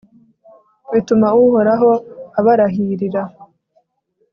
bituma uhoraho abarahirira